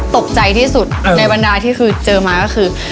ตกใจที่สุดในบรรดาที่คือเจอมาก็คือ